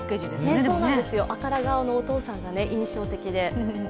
赤ら顔のお父さんが印象的で。